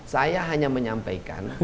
saya hanya menyampaikan